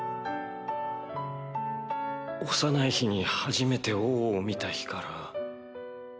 幼い日に初めて王を見た日から。